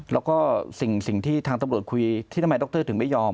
แล้วก็สิ่งที่ทางตำรวจคุยที่ทำไมดรถึงไม่ยอม